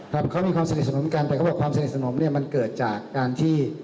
ครับเขามีความสนิทสนมกันแต่เขาบอกความสนิทสนมเนี่ยมันเกิดจากการที่